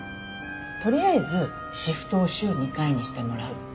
取りあえずシフトを週２回にしてもらう。